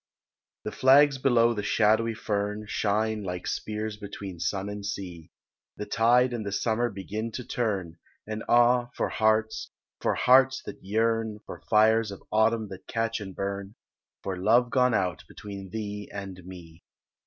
THE flags below the shadowy fern Shine like spears between sun and sea, The tide and the summer begin to turn, And ah, for hearts, for hearts that yearn, For fires of autumn that catch and burn, For love gone out between thee and me.